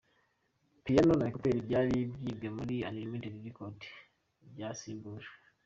Piano na Ecouterurs byari byibwe muri Unlimited Record byasimbujwe.